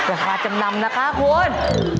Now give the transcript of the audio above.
ราคาจำนำนะคะคุณ